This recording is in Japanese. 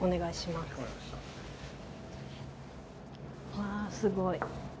わぁすごい。